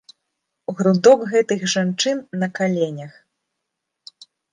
Грудок гэтых жанчын на каленях.